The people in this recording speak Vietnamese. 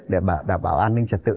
để bảo đảm bảo an ninh trật tự